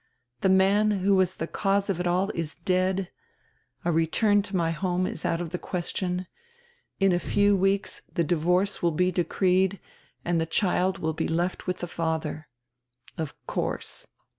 The man who was die cause of it all is dead, a return to my home is out of die question, in a few weeks the divorce will be decreed, and die child will be left with the father. Of course.